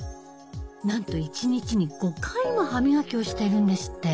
なんと１日に５回も歯みがきをしてるんですって！